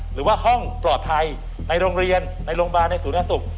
หรือว่าห้องปลอดภัยในโรงเรียนในโรงพยาบาลในศูนย์สุข